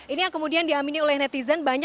ini yang kemudian diamini oleh netizen